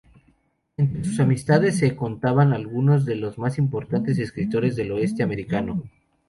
Entre sus amistades se contaban algunos de los más importantes escritores del oeste americano.